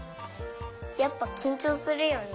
やっぱきんちょうするよね。